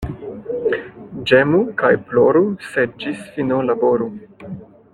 Ĝemu kaj ploru, sed ĝis fino laboru.